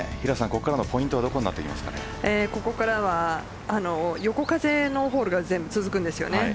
ここからのポイントはここからは横風のホールが全部続くんですよね。